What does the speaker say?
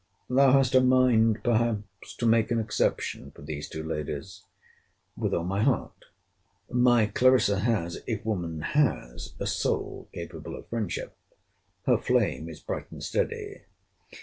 Thou hast a mind, perhaps, to make an exception for these two ladies.—With all my heart. My Clarissa has, if woman has, a soul capable of friendship. Her flame is bright and steady.